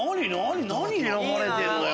何選ばれてんのよ！